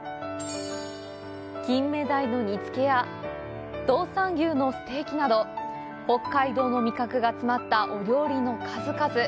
キンメダイの煮つけや道産牛のステーキなど北海道の味覚が詰まったお料理の数々。